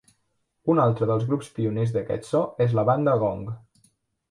Un altre dels grups pioners d'aquest so és la banda Gong.